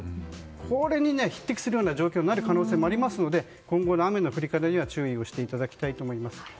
これに匹敵するような状況になる可能性もありますので今後の雨の降り方には注意をしていただきたいです。